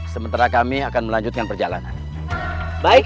sementara kami akan melanjutkan perjalanan